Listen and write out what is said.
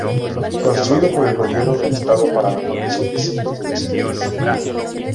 Construido por el gobierno del estado para la formación de cientos de docentes.